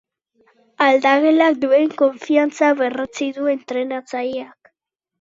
Aldagelak duen konfiantza berretsi du entrenatzaileak.